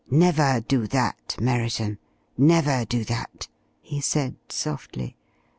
"Never do that, Merriton, never do that," he said softly.